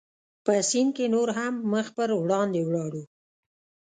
په سیند کې نور هم مخ پر وړاندې ولاړو.